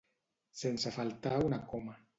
Sense faltar una coma.